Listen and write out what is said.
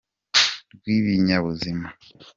rw’ibinyabuzima.